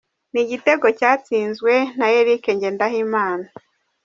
Ni igitego cyatsinzwe na Eric Ngendahimana.